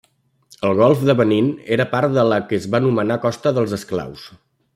El Golf de Benín era part de la que es va anomenar Costa dels Esclaus.